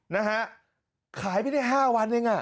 นะฮะขายไปได้๕วันเองอ่ะ